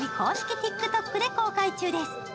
ＴｉｋＴｏｋで公開中です。